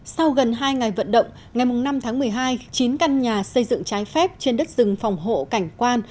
sau gần hai ngày vận động ngày năm tháng một mươi hai chín căn nhà xây dựng trái phép trên đất rừng phòng hộ cảnh quan